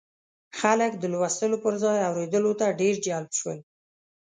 خلک د لوستلو پر ځای اورېدلو ته ډېر جلب شول.